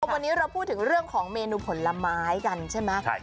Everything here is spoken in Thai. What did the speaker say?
วันนี้เราพูดถึงเรื่องของเมนูผลไม้กันใช่ไหม